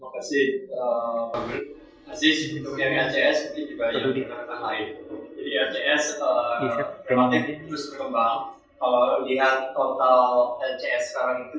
kalau lihat total ics sekarang itu